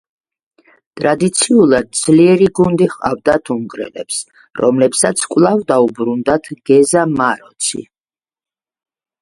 ტრადიციულად ძლიერი გუნდი ჰყავდათ უნგრელებს, რომლებსაც კვლავ დაუბრუნდათ გეზა მაროცი.